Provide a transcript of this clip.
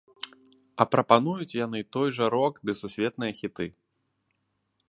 А прапануюць яны той жа рок ды сусветныя хіты.